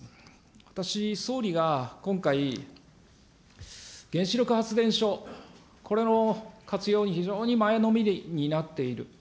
私、総理が今回、原子力発電所、これの活用に非常に前のめりになっている。